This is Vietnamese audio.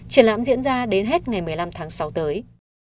triển lãm diễn ra đến hết ngày một mươi năm tháng sáu tới